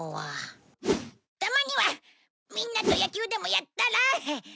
たまにはみんなと野球でもやったら？